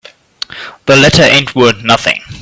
The letter ain't worth nothing.